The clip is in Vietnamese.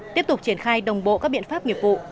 tiếp tục triển khai đồng bộ các biện pháp nghiệp vụ